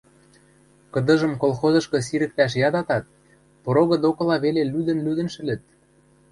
Кыдыжым колхозышкы сирӹктӓш ядатат, порогы докыла веле лӱдӹн-лӱдӹн шӹлыт: